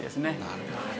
なるほど。